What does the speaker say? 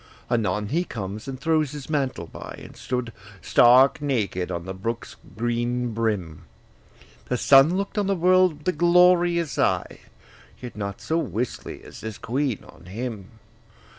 Anon he comes, and throws his mantle by, And stood stark naked on the brook's green brim: The sun look'd on the world with glorious eye, Yet not so wistly as this queen on him.